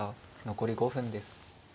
残り５分です。